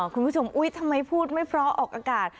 คุณผู้ชมอุ๊ยทำไมพูดไม่เพราะออกอากาศ